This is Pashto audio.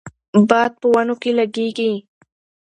باد په ونو کې لګیږي.